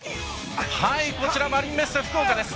こちらマリンメッセ福岡です。